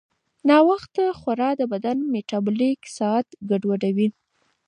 ناوخته خورا د بدن میټابولیک ساعت ګډوډوي.